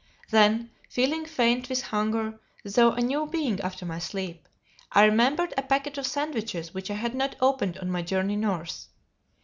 Then, feeling faint with hunger, though a new being after my sleep, I remembered a packet of sandwiches which I had not opened on my journey north.